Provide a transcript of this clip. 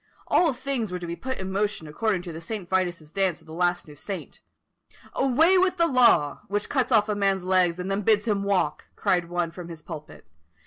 All things were to be put in motion according to the St. Vitus's dance of the last new saint. "Away with the Law! which cuts off a man's legs and then bids him walk!" cried one from his pulpit.